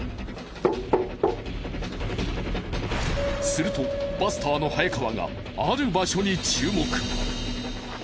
するとバスターの早川がある場所に注目。